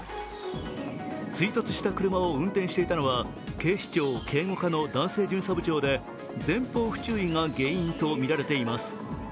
追突した車を運転していたのは警視庁警護課の男性巡査部長で、前方不注意が原因とみられています。